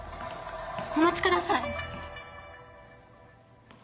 お待ちください。